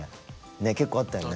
ねっ結構あったよね。